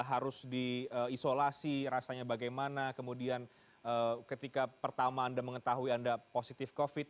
harus diisolasi rasanya bagaimana kemudian ketika pertama anda mengetahui anda positif covid